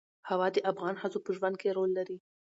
هوا د افغان ښځو په ژوند کې رول لري.